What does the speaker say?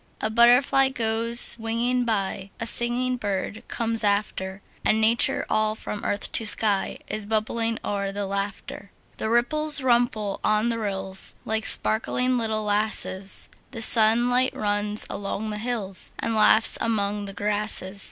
A butterfly goes winging by; A singing bird comes after; And Nature, all from earth to sky, Is bubbling o'er with laughter. The ripples wimple on the rills, Like sparkling little lasses; The sunlight runs along the hills, And laughs among the grasses.